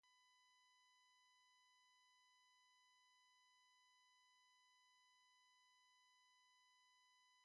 He was replaced as Minister of Justice by Leena Luhtanen in a cabinet reshuffle.